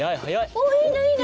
おっいいねいいね。